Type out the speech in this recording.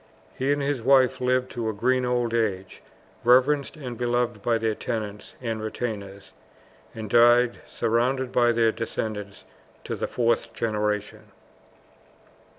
He and his wife lived to a green old age, reverenced and beloved by their tenants and retainers, and died surrounded by their descendants to the fourth generation.